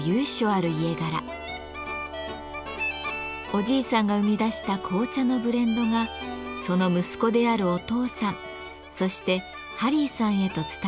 おじいさんが生み出した紅茶のブレンドがその息子であるお父さんそしてハリーさんへと伝えられています。